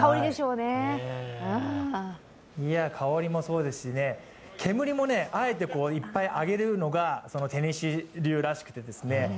香りもそうですしね、煙もあえていっぱい上げるのがテネシー流らしくてですね